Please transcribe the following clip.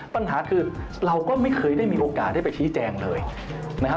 ปัญหาคือเราก็ไม่เคยได้มีโอกาสได้ไปชี้แจงเลยนะครับ